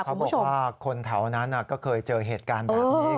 เขาบอกว่าคนแถวนั้นก็เคยเจอเหตุการณ์แบบนี้